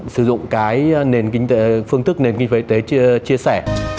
sử dụng cái nền kinh tế phương thức nền kinh tế chia sẻ